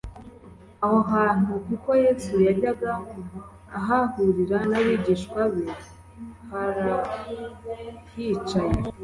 aho hantu kuko yesu yajyaga ahahurira n’abigishwa be yarahicaye